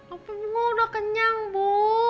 apa bunga udah kenyang bu